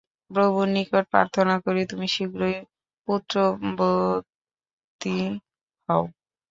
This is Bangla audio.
প্রভুর নিকট প্রার্থনা করি, তুমি শীঘ্রই পুত্রবতী হও।